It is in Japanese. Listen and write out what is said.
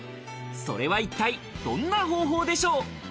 それは一体、どんな方法でしょう。